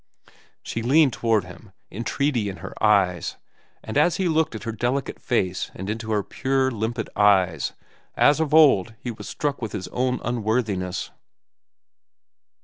She leaned toward him, entreaty in her eyes, and as he looked at her delicate face and into her pure, limpid eyes, as of old he was struck with his own unworthiness.